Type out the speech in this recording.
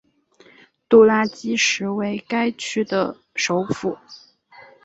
杜拉基什为该区的首府。